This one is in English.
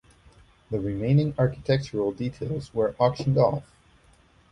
The remaining architectural details were auctioned off.